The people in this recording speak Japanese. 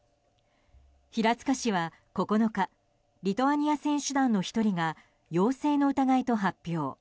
平塚市は９日リトアニア選手団の１人が陽性の疑いと発表。